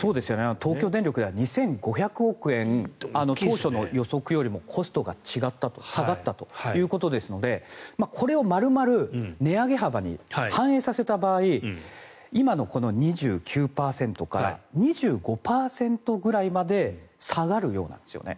東京電力では２５００億円、当初の予測よりもコストが違ったと下がったということですのでこれを丸々値上げ幅に反映させた場合今の２９％から２５％くらいまで下がるようなんですね。